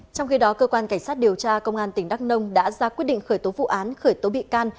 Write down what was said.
trong khi đó cơ quan cảnh sát điều tra công an tỉnh đắk nông đã ra quyết định khởi tố vụ án khởi tố bị can